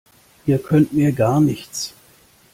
Ihr könnt mir gar nichts!